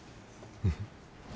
うん。